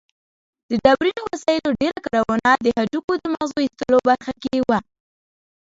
د ډبرینو وسایلو ډېره کارونه د هډوکو د مغزو ایستلو برخه کې وه.